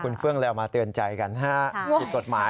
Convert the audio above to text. คุณเฟื่องแล้วมาเตือนใจกันฮะผิดกฎหมาย